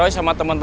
gak ada banco